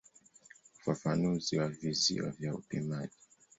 Ufafanuzi wa vizio vya upimaji.